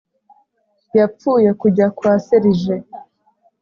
yapfuye kujya kwa serije